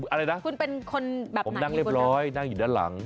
อะไรนะผมนั่งเร็วไปนั่งอยู่ด้านหลัง